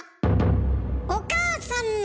ん？お母さんの？